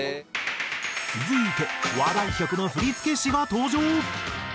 続いて話題曲の振付師が登場！